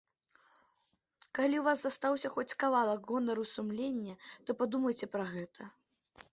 Калі ў вас застаўся хоць кавалак гонару і сумлення, то падумайце пра гэта.